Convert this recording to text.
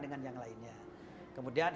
dengan yang lainnya kemudian